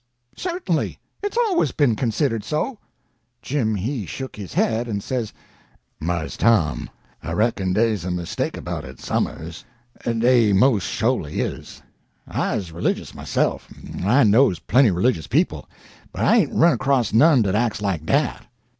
"Certainly; it's always been considered so." Jim he shook his head, and says: "Mars Tom, I reckon dey's a mistake about it somers—dey mos' sholy is. I's religious myself, en I knows plenty religious people, but I hain't run across none dat acts like dat."